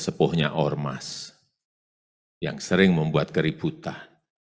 sepuhnya ormas yang sering membuat keributan